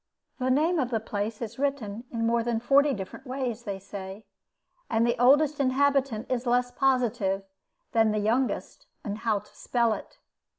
The name of the place is written in more than forty different ways, they say; and the oldest inhabitant is less positive than the youngest how to spell it.